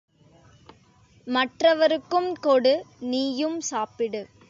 மற்றவருக்கும் கொடு நீயும் சாப்பிடு.